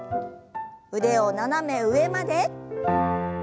腕を斜め上まで。